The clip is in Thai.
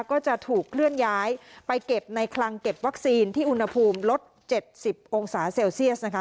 ก็จะถูกเคลื่อนย้ายไปเก็บในคลังเก็บวัคซีนที่อุณหภูมิลด๗๐องศาเซลเซียสนะคะ